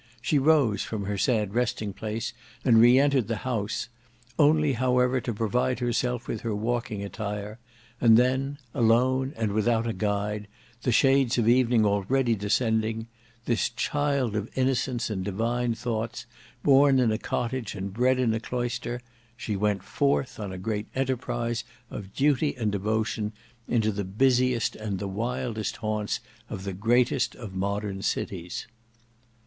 She rose from her sad resting place and re entered the house: only, however, to provide herself with her walking attire, and then alone and without a guide, the shades of evening already descending, this child of innocence and divine thoughts, born in a cottage and bred in a cloister, she went forth, on a great enterprise of duty and devotion, into the busiest and the wildest haunts of the greatest of modern cities.